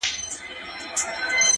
• په تهمتونو کي بلا غمونو.